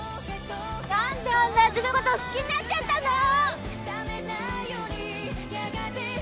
「何であんなやつのこと好きになっちゃったんだろ！」